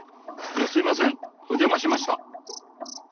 じゃあ、すみません、お邪魔しま